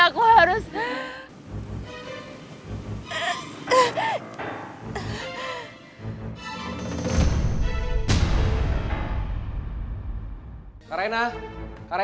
aku gak boleh kalah sama rasa sakit ini aku harus